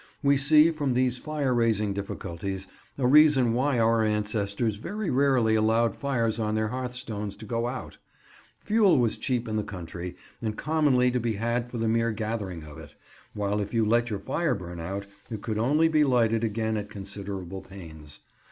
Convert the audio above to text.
We see, from these fire raising difficulties, a reason why our ancestors very rarely allowed the fires on their hearthstones to go out. Fuel was cheap in the country, and commonly to be had for the mere gathering of it, while if you let your fire burn out, it could only be lighted again at considerable pains.